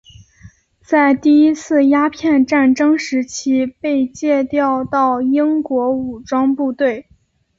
在第一次鸦片战争时期被借调到英国武装部队。